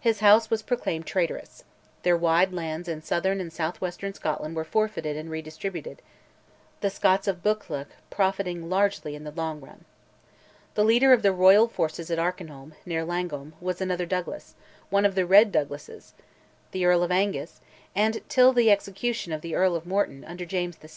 His House was proclaimed traitorous; their wide lands in southern and south western Scotland were forfeited and redistributed, the Scotts of Buccleuch profiting largely in the long run. The leader of the Royal forces at Arkinholm, near Langholm, was another Douglas, one of "the Red Douglases," the Earl of Angus; and till the execution of the Earl of Morton, under James VI.